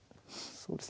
そうですね。